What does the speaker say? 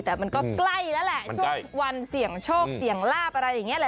แต่มันก็ใกล้แล้วแหละช่วงวันเสี่ยงโชคเสี่ยงลาบอะไรอย่างนี้แหละ